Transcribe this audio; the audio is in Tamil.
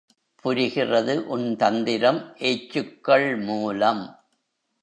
புரிகிறது உன் தந்திரம் ஏச்சுக்கள் மூலம்.